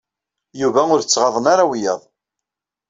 Yuba ur tettɣaḍen ara wiyaḍ.